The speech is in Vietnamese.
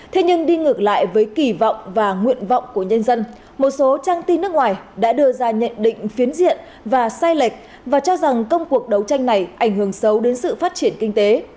thế nhưng đi ngược lại với kỳ vọng và nguyện vọng của nhân dân một số trang tin nước ngoài đã đưa ra nhận định phiến diện và sai lệch và cho rằng công cuộc đấu tranh này ảnh hưởng xấu đến sự phát triển kinh tế